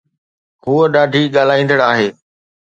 هوءَ ڏاڍي ڳالهائيندڙ آهي